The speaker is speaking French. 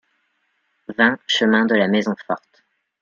vingt chemin de la Maison Forte